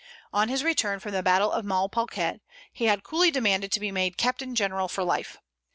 On his return from the battle of Malplaquet, he had coolly demanded to be made captain general for life.